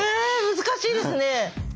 難しいですね。